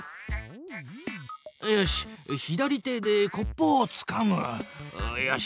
左手でコップをつかむ！よし！